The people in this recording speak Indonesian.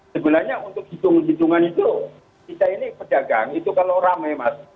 sebenarnya untuk hitung hitungan itu kita ini pedagang itu kalau rame mas